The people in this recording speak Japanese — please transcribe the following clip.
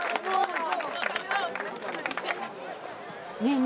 ねえね